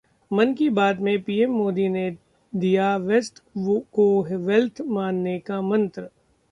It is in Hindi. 'मन की बात' में पीएम मोदी ने दिया 'Waste को वेल्थ' मानने का मंत्र